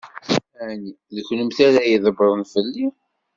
Ɛni d kennemti ara ydebbṛen fell-i?